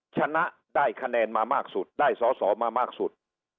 ชนะได้คะแนนมามากสุดได้สอสอมามากสุด